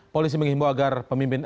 polisi mengimbau agar pemimpin